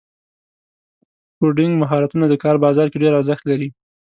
کوډینګ مهارتونه د کار بازار کې ډېر ارزښت لري.